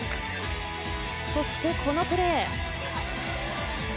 そして、このプレー。